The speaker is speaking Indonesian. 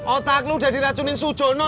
otak lo udah diracunin si jono